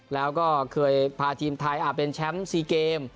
แล้วก็เคยพาทีมไทยเป็นแชมป์๔เกม